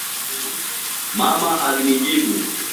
Mama alijibu